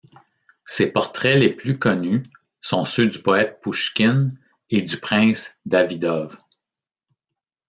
Ses portraits les plus connus sont ceux du poète Pouchkine et du prince Davydov.